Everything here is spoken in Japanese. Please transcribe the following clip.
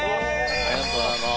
ありがとうございます。